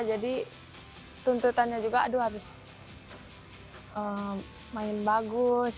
jadi tuntutannya juga aduh harus main bagus